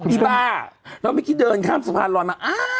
คุณป้าเราไม่คิดเดินข้ามสะพานรอยมา